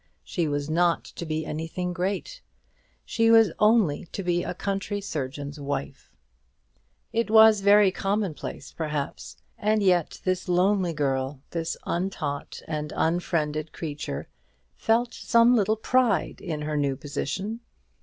She was not to be anything great. She was only to be a country surgeon's wife. It was very commonplace, perhaps; and yet this lonely girl this untaught and unfriended creature felt some little pride in her new position.